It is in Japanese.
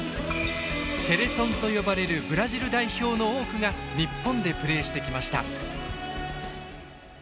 セレソンと呼ばれるブラジル代表の多くが日本でプレーしてきました。